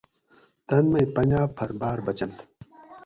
تن مئی پنجاب پھر باۤر بچنت